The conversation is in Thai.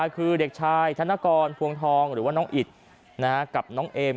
คือเด็กชายธนกรพวงทองหรือว่าน้องอิดกับน้องเอม